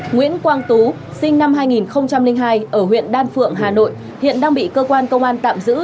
nguyễn quang tú sinh năm hai nghìn hai ở huyện đan phượng hà nội hiện đang bị cơ quan công an tạm giữ